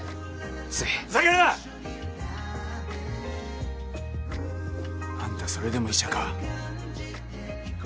ついふざけるな！あんたそれでも医者か？